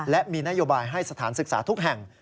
และมีนโยบายให้สถานศึกษาทุกแห่ง